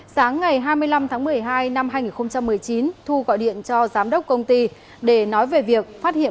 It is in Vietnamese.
sáng ngày hai mươi năm tháng một mươi hai năm hai nghìn một mươi chín thu gọi điện cho giám đốc công ty để nói về việc phát hiện